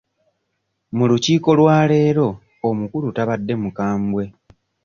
Mu lukiiko lwa leero omukulu tabadde mukambwe.